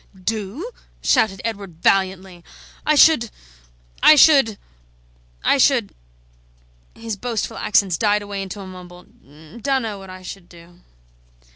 "Do?" shouted Edward, valiantly, "I should I should I should " His boastful accents died away into a mumble: "Dunno what I should do."